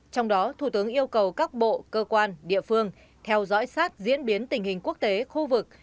trong đó thủ tướng yêu cầu các bộ cơ quan địa phương theo dõi sát diễn biến tình hình quốc tế khu vực